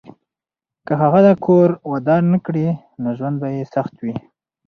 که هغه کور ودان نه کړي، نو ژوند به یې سخت وي.